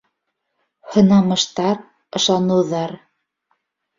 ҺЫНАМЫШТАР, ЫШАНЫУҘАР